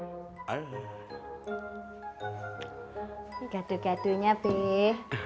ini gaduh gaduhnya be